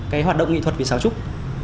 cái hoạt động nghị thuật về xáo trúc